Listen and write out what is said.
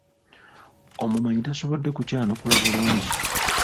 Omumanyi tasobodde kukyanukula bulungi.